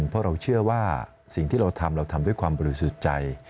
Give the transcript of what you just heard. เพราะเราเชื่อว่าสิ่งที่เราทำเราทำด้วยความบริสุทธิ์ใจ